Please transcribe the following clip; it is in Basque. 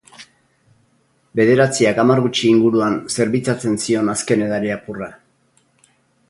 Bederatziak hamar gutxi inguruan zerbitzatzen zion azken edari apurra.